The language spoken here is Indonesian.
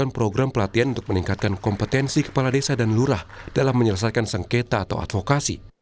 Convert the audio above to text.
program pelatihan untuk meningkatkan kompetensi kepala desa dan lurah dalam menyelesaikan sengketa atau advokasi